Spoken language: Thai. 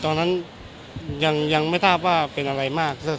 ตอนนั้นยังไม่ทราบว่าเป็นอะไรมาก